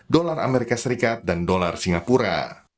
dolar amerika serikat dan dolar singapura